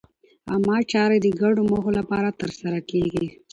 عامه چارې د ګډو موخو لپاره ترسره کېږي.